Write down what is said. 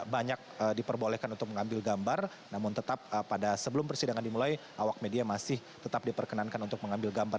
banyak diperbolehkan untuk mengambil gambar namun tetap pada sebelum persidangan dimulai awak media masih tetap diperkenankan untuk mengambil gambar